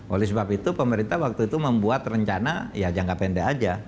oleh sebab itu pemerintah waktu itu membuat rencana ya jangka pendek aja